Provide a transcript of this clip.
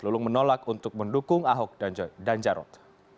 lulung menolak untuk mendukung ahok dan jarot